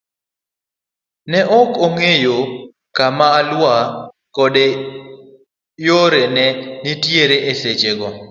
Ne okong'eyo kama Alua koda yuore ne nitiere e seche go.